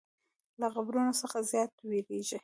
له قبرونو څخه زیات ویریږي.